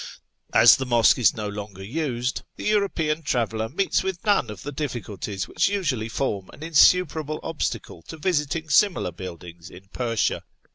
As the mosque is no longer used, the European traveller meets with none of the difficulties which usually form an insuperable obstacle to visiting similar buildings in Persia.